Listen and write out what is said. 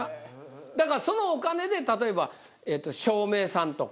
だからそのお金で例えば照明さんとか。